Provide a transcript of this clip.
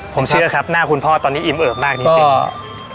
ผมเชื่อครับหน้าคุณพ่อตอนนี้อิ่มเอิบมากจริง